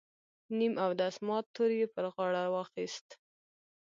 نیم اودس مات تور یې پر غاړه واخیست.